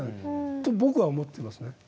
と僕は思ってますね。